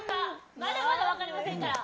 まだまだ分かりませんから。